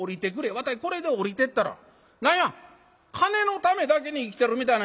わたいこれで下りてったら何や金のためだけに生きてるみたいな人間でんがな」。